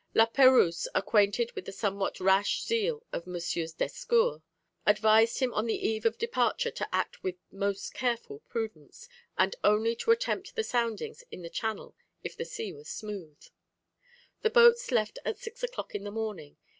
La Perouse, acquainted with the somewhat rash zeal of M. d'Escures, advised him on the eve of departure to act with most careful prudence, and only to attempt the soundings in the channel if the sea were smooth. The boats left at six o'clock in the morning.